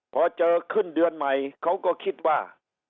พอเจอขึ้นเดือนใหม่เขาก็คิดว่า